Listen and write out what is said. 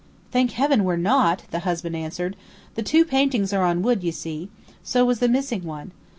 "Thank Heaven we're not!" the husband answered. "The two paintings are on wood, you see. So was the missing one.